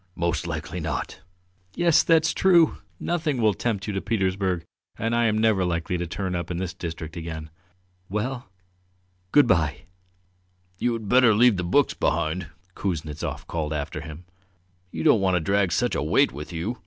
"Most likely not!" "Yes, that's true! Nothing will tempt you to Petersburg and I am never likely to turn up in this district again. Well, good bye!" "You had better leave the books behind!" Kuznetsov called after him. "You don't want to drag such a weight with you.